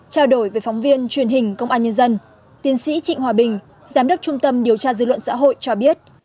trao đổi với phóng viên truyền hình công an nhân dân tiến sĩ trịnh hòa bình giám đốc trung tâm điều tra dư luận xã hội cho biết